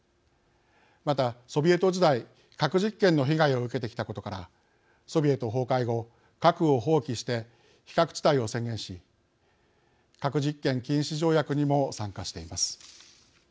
またソビエト時代核実験の被害を受けてきたことからソビエト崩壊後核を放棄して非核地帯を宣言し核兵器禁止条約にも参加しています。